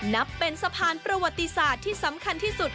นับเป็นสะพานประวัติศาสตร์ที่สำคัญที่สุด